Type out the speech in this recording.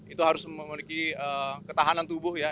itu harus memiliki ketahanan tubuh ya